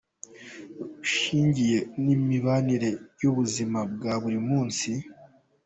Ushingiye n’imibanire y’ubuzima bwa buri munsi.